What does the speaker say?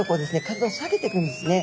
体を下げていくんですね。